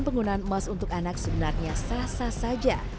penggunaan emas untuk anak sebenarnya sah sah saja